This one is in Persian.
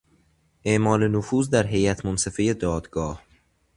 اعمال نفوذ در هیات منصفه دادگاه